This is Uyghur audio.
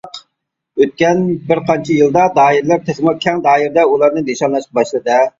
ئۆتكەن بىر قانچە يىلدا دائىرىلەر تېخىمۇ كەڭ دائىرىدە ئۇلارنى نىشانلاشقا باشلىدى.